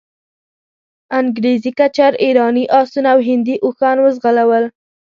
انګریزي کچر، ایراني آسونه او هندي اوښان وځغلول.